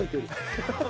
ハハハハ。